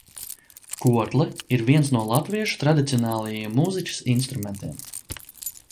Kokle ir viens no latviešu tradicionālajiem mūzikas instrumentiem.